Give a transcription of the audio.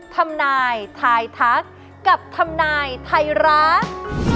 ทำนายทายทักกับทำนายไทยรัฐ